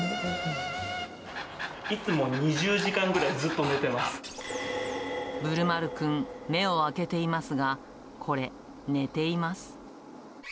いつも２０時間ぐらい、ぶるまるくん、目を開けていますが、これ、寝ています。